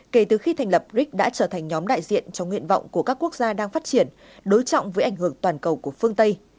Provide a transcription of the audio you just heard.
kể từ khi thành lập brics đã trở thành nhóm đại diện trong nguyện vọng của các quốc gia đang phát triển đối trọng với ảnh hưởng toàn cầu của phương tây